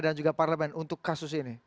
dan juga parlemen untuk kasus ini